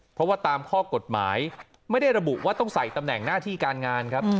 เพราะว่าตามข้อกฎหมายไม่ได้ระบุว่าต้องใส่ตำแหน่งหน้าที่การงานครับ